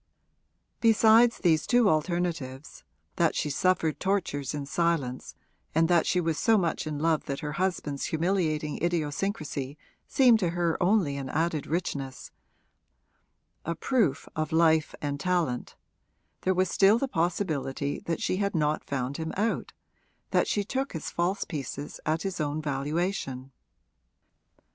Besides these two alternatives (that she suffered tortures in silence and that she was so much in love that her husband's humiliating idiosyncrasy seemed to her only an added richness a proof of life and talent), there was still the possibility that she had not found him out, that she took his false pieces at his own valuation.